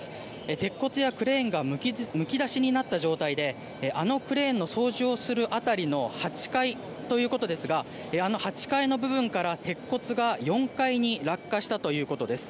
鉄骨やクレーンがむき出しになった状態であのクレーンの操縦をする辺りの８階ということですがあの８階の部分から鉄骨が４階に落下したということです。